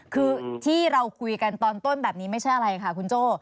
คือที่เราคุยกันตอนต้นแบบนี้ไม่ใช่อะไรค่ะคุณโจ้